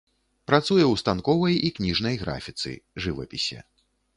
Працуе ў станковай і кніжнай графіцы, жывапісе.